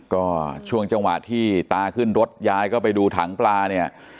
ก็ช่วงจังหวะที่ตาขึ้นรถยายก็ไปดูถังปลาเนี่ย